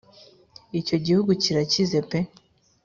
icyo gihugu kirakize pe!